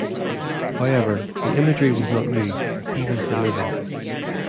However, the imagery was not new, even for Livy.